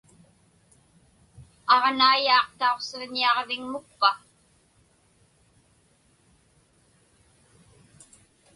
Aġnaiyaaq tauqsiġñiaġviŋmukpa?